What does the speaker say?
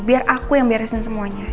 biar aku yang beresin semuanya